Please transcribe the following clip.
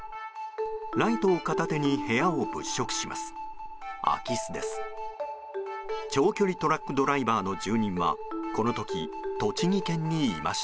ライトを片手に部屋を物色します。